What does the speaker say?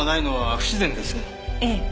ええ。